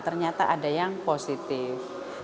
ternyata ada yang positif